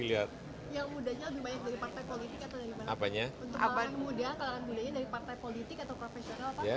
untuk kelahan muda kelahan budanya dari partai politik atau profesional pak